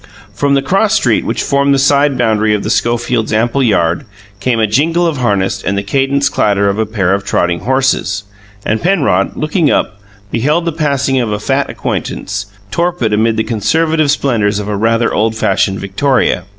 From the cross street which formed the side boundary of the Schofields' ample yard came a jingle of harness and the cadenced clatter of a pair of trotting horses, and Penrod, looking up, beheld the passing of a fat acquaintance, torpid amid the conservative splendours of a rather old fashioned victoria.